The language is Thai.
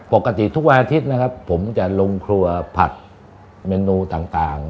ปกติทุกวันอาทิตย์นะครับผมจะลงครัวผัดเมนูต่าง